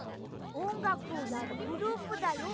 おんがくをやるグループだよ。